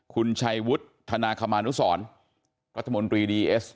คุณชัยวุฒิธนาคมานุสรรัฐมนตรีดีเอส